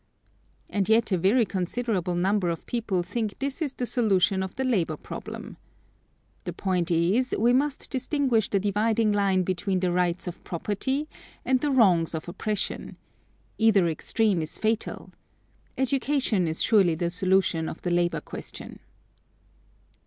And yet a very considerable number of people think this is the solution of the labor problem. The point is, we must distinguish the dividing line between the rights of property and the wrongs of oppression. Either extreme is fatal. Education is surely the solution of the labor question.